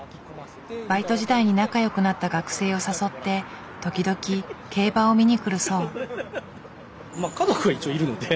バイト時代に仲よくなった学生を誘って時々競馬を見に来るそう。